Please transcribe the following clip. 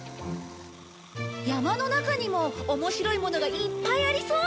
山の中にも面白いものがいっぱいありそう！